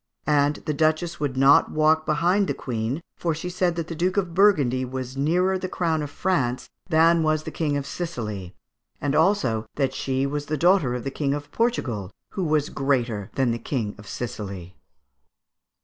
And the Duchess would not walk behind the Queen, for she said that the Duke of Burgundy was nearer the crown of France than was the King of Sicily, and also that she was daughter of the King of Portugal, who was greater than the King of Sicily."